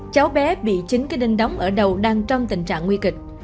cháu bé bị chính cái đinh đóng ở đầu đang trong tình trạng nguy kịch